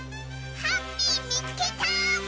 ハッピーみつけた！